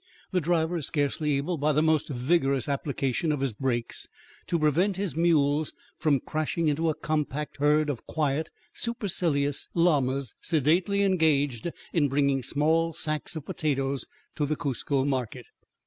The driver is scarcely able by the most vigorous application of his brakes to prevent his mules from crashing into a compact herd of quiet, supercilious llamas sedately engaged in bringing small sacks of potatoes to the Cuzco market.